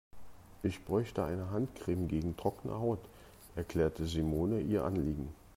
Ich bräuchte eine Handcreme gegen trockene Haut, erklärte Simone ihr Anliegen.